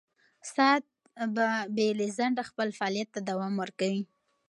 ساعت به بې له ځنډه خپل فعالیت ته دوام ورکوي.